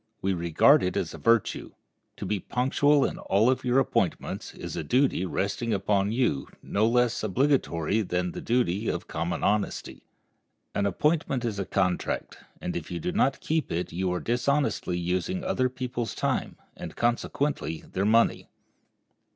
We regard it as a virtue. To be punctual in all of your appointments is a duty resting upon you no less obligatory than the duty of common honesty. An appointment is a contract, and if you do not keep it you are dishonestly using other people's time, and, consequently, their money.